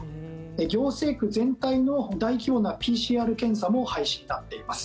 行政区全体の大規模なＰＣＲ検査も廃止になっています。